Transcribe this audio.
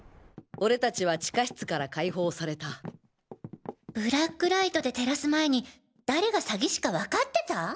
俺達は地下室から解放されたブラックライトで照らす前に誰が詐欺師かわかってた！？